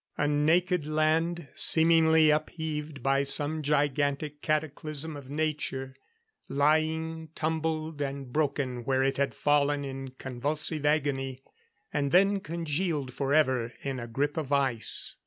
A naked land seemingly upheaved by some gigantic cataclysm of nature, lying tumbled and broken where it had fallen in convulsive agony; and then congealed forever in a grip of ice.